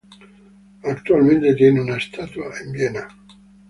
Actualmente tiene una estatua en Viena.